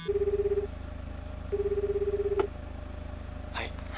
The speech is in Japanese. はい。